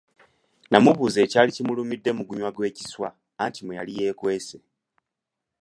Namubuuza ekyali kimulumidde mu gunnya gw’ekiswa anti mwe yali yeekwese.